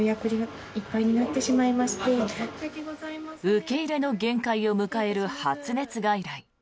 受け入れの限界を迎える発熱外来。